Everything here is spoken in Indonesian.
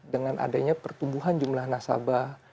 dengan adanya pertumbuhan jumlah nasabah